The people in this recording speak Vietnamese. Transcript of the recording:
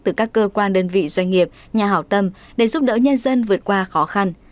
từ các cơ quan đơn vị doanh nghiệp nhà hảo tâm để giúp đỡ nhân dân vượt qua khó khăn